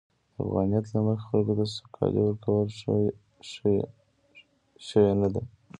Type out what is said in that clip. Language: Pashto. د افغانیت له مخې، خلکو ته سوکالي ورکول شوې نه ده.